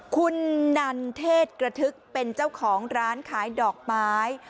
คุณนันเทศกระทึกเป็นเจ้าของร้านขายดอกไม้